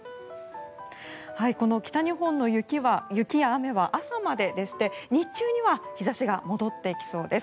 この北日本の雪や雨は朝まででして日中には日差しが戻ってきそうです。